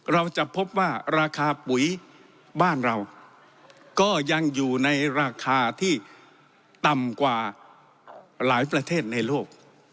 เราจะพบว่าราคาปุ๋ยบ้านเราก็ยังอยู่ในราคาที่ต่ำกว่าหลายประเทศในโลก